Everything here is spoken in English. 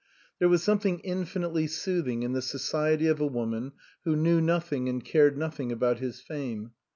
There was something infinitely soothing in the society of a woman who knew nothing and cared no thing about his fame.